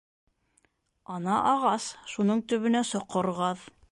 Ана ағас, шуның төбөнә соҡор ҡаҙ.